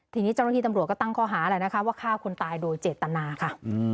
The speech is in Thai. ทีนี้เจ้าหน้าที่ตำรวจก็ตั้งข้อหาแหละนะคะว่าฆ่าคนตายโดยเจตนาค่ะ